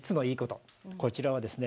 こちらはですね